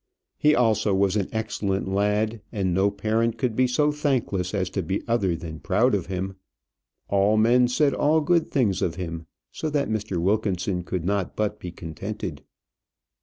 He also was an excellent lad, and no parent could be so thankless as to be other than proud of him. All men said all good things of him, so that Mr. Wilkinson could not but be contented.